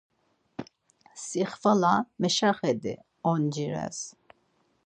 Si xvala meşaxedi oncires.